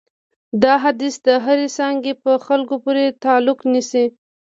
دا حدیث د هرې څانګې په خلکو پورې تعلق نیسي.